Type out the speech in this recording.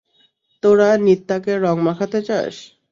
তোরা নিত্যাকে রং মাখাতে চাস?